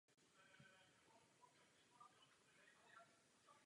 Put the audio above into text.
Tuto politiku tvoří mnoho mimořádně důležitých prvků.